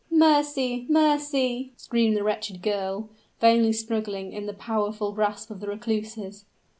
"Mercy! mercy!" screamed the wretched girl, vainly struggling in the powerful grasp of the recluses.